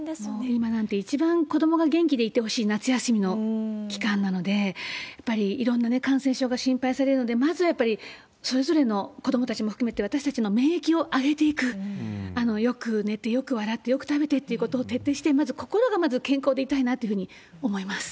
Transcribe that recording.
今なんて、一番子どもが元気でいてほしい夏休みの期間なので、やっぱりいろんな感染症が心配されますので、まずはやっぱり、それぞれの子どもたちも含めて、私たちも免疫を上げていく、よく寝て、よく笑って、よく食べてということを徹底して、まず心が健康でいたいなと思います。